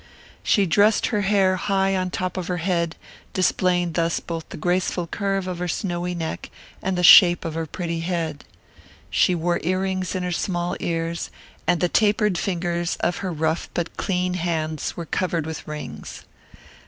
She dressed her hair high on the top of her head, displaying thus both the graceful curve of her snowy neck and the shape of her pretty head. She wore earrings in her small ears, and the taper fingers of her rough but clean hands were covered with rings.